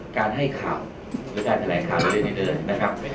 การให้ข่าวหรือการแถลงข่าวเรื่องนี้เลยนะครับ